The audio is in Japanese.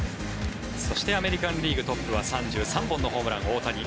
そしてアメリカン・リーグトップは３３本のホームラン、大谷。